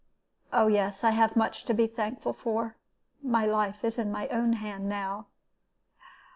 Oh yes, I have much to be thankful for. My life is in my own hand now.'